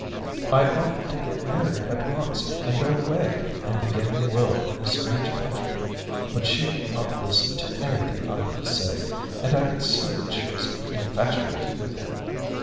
I offered to get married at once and go away and begin the world in a strange country; but she would not listen to anything I could say, and I could see that she was infatuated with him.